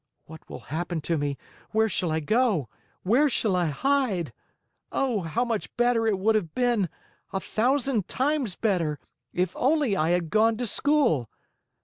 What will happen to me? Where shall I go? Where shall I hide? Oh, how much better it would have been, a thousand times better, if only I had gone to school!